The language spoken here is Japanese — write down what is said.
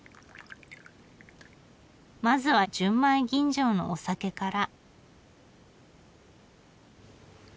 まずは純米吟醸のお酒から。